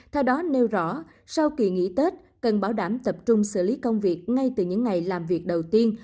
theo đó nêu rõ sau kỳ nghỉ tết cần bảo đảm tập trung xử lý công việc ngay từ những ngày làm việc đầu tiên